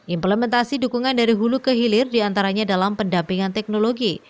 implementasi dukungan dari hulu ke hilir diantaranya dalam pendampingan teknologi